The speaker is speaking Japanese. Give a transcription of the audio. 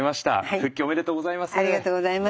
復帰おめでとうございます。